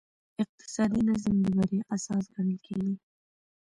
اقتصادي نظم د بریا اساس ګڼل کېږي.